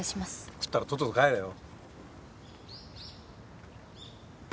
食ったらとっとと帰れよ。